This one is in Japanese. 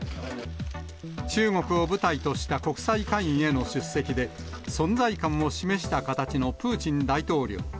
中国を舞台とした国際会議への出席で、存在感を示した形のプーチン大統領。